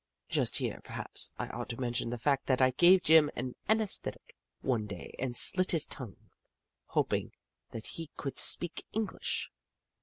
Just here, perhaps, I ought to mention the fact that I gave Jim an anaesthetic one day and slit his tongue, hoping that he could speak English.